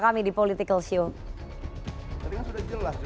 kami di politik kecil kecil juga bilang jantan tidak siapa siapa